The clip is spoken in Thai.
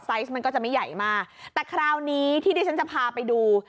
มันก็จะไม่ใหญ่มากแต่คราวนี้ที่ดิฉันจะพาไปดู